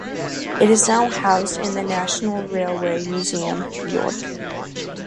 It is now housed in the National Railway Museum, York.